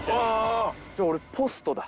じゃあ俺ポストだ。